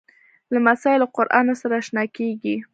لمسی له قرآنه سره اشنا کېږي.